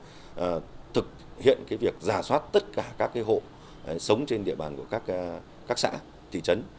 để thực hiện việc giả soát tất cả các hộ sống trên địa bàn của các xã thị trấn